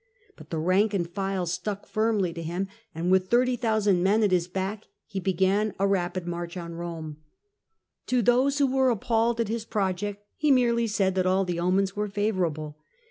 But the rank and file stuck firmly to him, and with 30,000 men at his back he began a rapid march on Eome. To those who were appalled at his project, he merely said that all the omens were favour able.